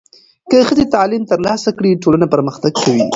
که ښځې تعلیم ترلاسه کړي، ټولنه پرمختګ کوي.